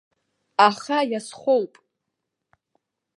Аха иазхоуп!